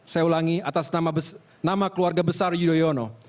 saya ulangi atas nama keluarga besar yudhoyono